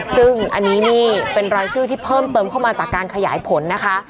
ซึ่งอันนี้นี่เป็นรายชื่อที่เพิ่มเติมเข้ามาจากการขยายผลนะคะ